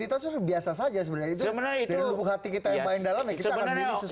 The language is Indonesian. dari tubuh hati kita yang paling dalam ya kita akan pilih sesuatu yang berdasarkan situ